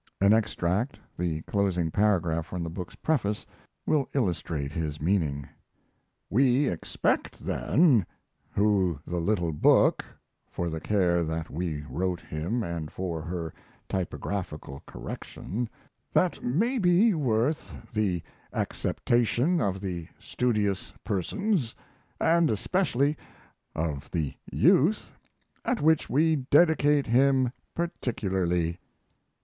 An extract, the closing paragraph from the book's preface, will illustrate his meaning: "We expect then, who the little book (for the care that we wrote him, and for her typographical correction), that maybe worth the acceptation of the studious persons, and especially of the Youth, at which we dedicate him particularly."